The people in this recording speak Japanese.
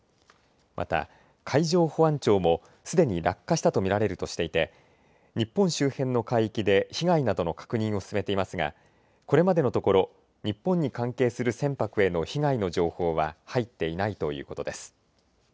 また、海上保安庁もすでに落下したと見られるとしていて日本周辺の海域で被害などの確認を進めていますがこれまでのところ日本に関係する船舶への被害の情報は入っていないということです。